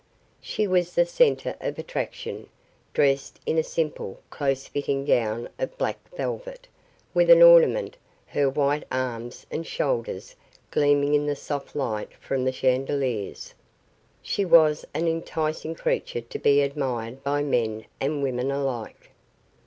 She was the center of attraction. Dressed in a simple, close fitting gown of black velvet, without an ornament, her white arms and shoulders gleaming in the soft light from the chandeliers, she was an enticing creature to be admired by men and women alike.